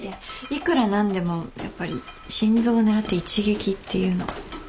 いくら何でもやっぱり心臓を狙って一撃っていうのは。